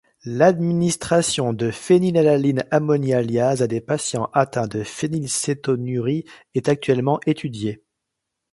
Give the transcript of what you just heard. L'administration de phénylalanine ammonia-lyase à des patients atteints de Phénylcétonurie est actuellement étudiée.